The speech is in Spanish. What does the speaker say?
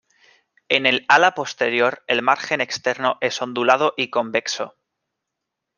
El en ala posterior el margen externo es ondulado y convexo.